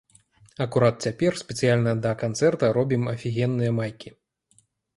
Акурат цяпер спецыяльна да канцэрта робім афігенныя майкі.